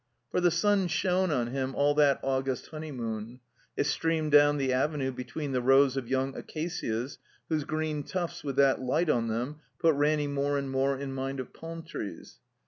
For the sun shone on him all that August honeymoon. It streamed down the Avenue between the rows of young acacias whose green tufts with that light on them put Ranny more and more in mind of palm trees.